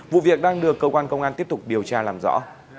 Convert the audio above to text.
vụ việc đang được cơ quan công an tiếp tục điều tra làm rõ